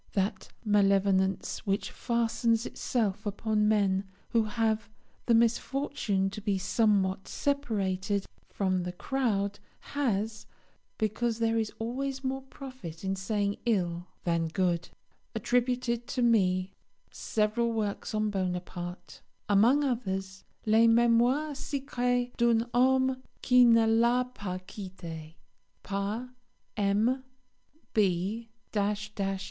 That malevolence which fastens itself upon men who have the misfortune to be somewhat separated from the crowd has, because there is always more profit in saying ill than good, attributed to me several works on Bonaparte; among others, 'Les Memoires secrets d'un Homme qui ne l'a pas quitté', par M.